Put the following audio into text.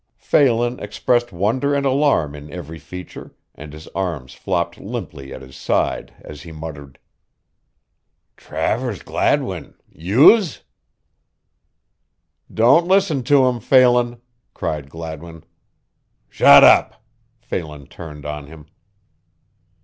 Phelan expressed wonder and alarm in every feature and his arms flopped limply at his side as he muttered: "Travers Gladwin youse!" "Don't listen to him, Phelan," cried Gladwin. "Shut up!" Phelan turned on him.